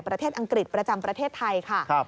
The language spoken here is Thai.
อังกฤษประจำประเทศไทยค่ะ